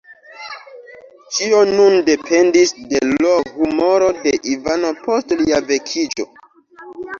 Ĉio nun dependis de l' humoro de Ivano post lia vekiĝo.